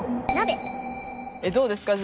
どうですか？